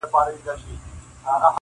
پر څښتن دسپي دي وي افرینونه,